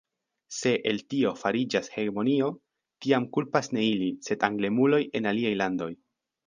Se el tio fariĝas hegemonio, tiam kulpas ne ili, sed anglemuloj en aliaj landoj.